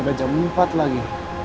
udah jam empat lagi